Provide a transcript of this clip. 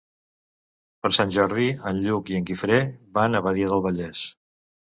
Per Sant Jordi en Lluc i en Guifré van a Badia del Vallès.